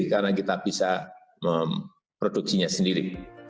karena kita bisa memproduksinya sendiri